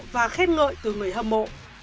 và khen ngợi từ người hâm mộ